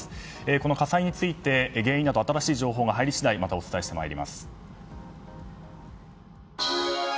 この火災について原因など新しい情報が入り次第またお伝えしてまいります。